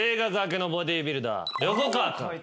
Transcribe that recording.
横川君。